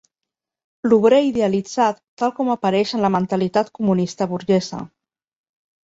L’obrer idealitzat, tal com apareix en la mentalitat comunista burgesa